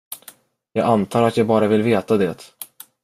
Jag antar att jag bara vill veta det.